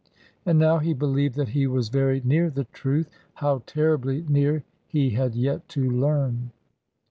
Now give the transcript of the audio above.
And now he believed that he was very near the truth; how terribly near he had yet to learn.